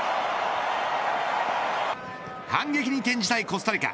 反撃に転じたいコスタリカ。